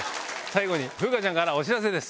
最後に風花ちゃんからお知らせです。